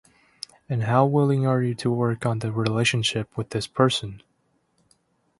And how willing are you to work on the relationship with this person?